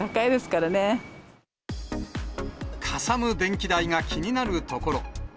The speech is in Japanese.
かさむ電気代が気になるところ。